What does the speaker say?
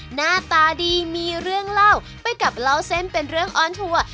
หน้าตาดีมีเรื่องเล่าไปกับเล่าเส้นเป็นเรื่องออนทัวร์